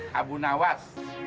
hei abu nawas